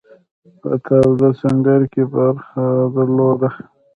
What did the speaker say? په تاوده سنګر کې برخه درلوده.